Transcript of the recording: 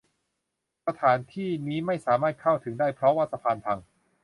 สถานที่นี้ไม่สามารถเข้าถึงได้เพราะว่าสะพานพัง